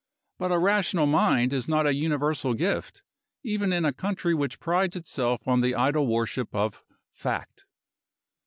But a rational mind is not a universal gift, even in a country which prides itself on the idol worship of Fact.